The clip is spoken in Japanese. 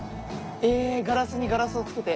ええガラスにガラスを付けて。